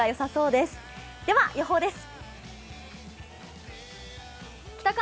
では予報です。